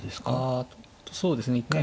あそうですね一回。